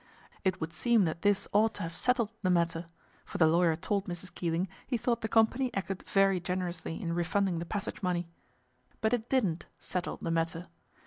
It would seem that this ought to have settled the matter, for the lawyer told Mrs. Keeling he thought the company acted very generously in refunding the passage money; but it didn't settle the matter.